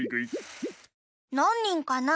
なんにんかな？